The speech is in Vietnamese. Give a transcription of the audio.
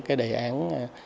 cái đề án